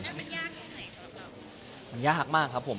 แล้วมันยากอย่างไรครับผม